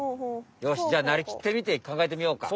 よしじゃあなりきってみてかんがえてみようか！